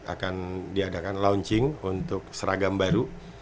akan diadakan launching untuk seragam baru